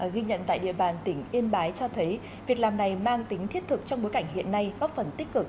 ghi nhận tại địa bàn tỉnh yên bái cho thấy việc làm này mang tính thiết thực trong bối cảnh hiện nay góp phần tích cực